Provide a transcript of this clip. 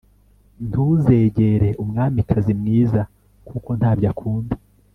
Ntuzegere umwamikazi mwiza kuko ntabyo akunda